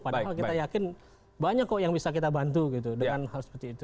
padahal kita yakin banyak kok yang bisa kita bantu gitu dengan hal seperti itu